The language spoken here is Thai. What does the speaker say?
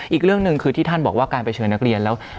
อีกเรื่องหนึ่งคือที่ท่านบอกว่าการไปเชิญนักเรียนแล้ว